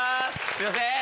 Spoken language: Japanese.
すいません！